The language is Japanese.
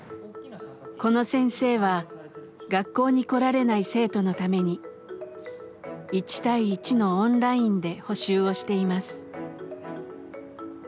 この先生は学校に来られない生徒のために１対１のオンラインで補習をしています。